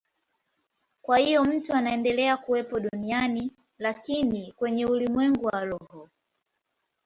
Kwa hiyo mtu anaendelea kuwepo duniani, lakini kwenye ulimwengu wa roho.